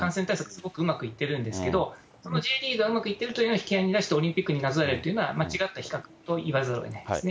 すごくうまくいってるんですけど、そのＪリーグがうまくいっているというのを引き合いに出して比べるのは、間違った比較と言わざるをえないですね。